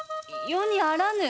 世に在らぬ。